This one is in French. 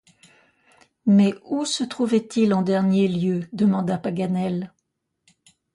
Mais où se trouvait-il en dernier lieu? demanda Paganel.